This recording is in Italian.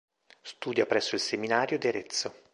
Studia presso il seminario di Arezzo.